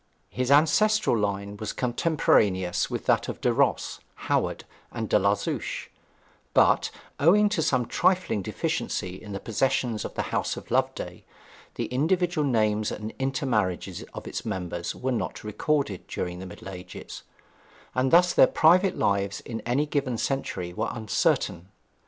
His ancestral line was contemporaneous with that of De Ros, Howard, and De La Zouche; but, owing to some trifling deficiency in the possessions of the house of Loveday, the individual names and intermarriages of its members were not recorded during the Middle Ages, and thus their private lives in any given century were uncertain.